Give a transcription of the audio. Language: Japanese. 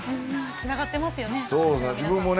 つながってますね。